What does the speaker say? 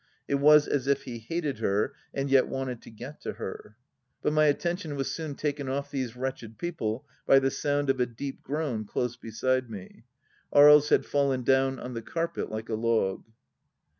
It was as if he hated her, and yet wanted to get to her. ... But my attention was soon taken oft these wretched people by the sound of a deep groan close beside me. Aries had fallen down on the carpet like a log.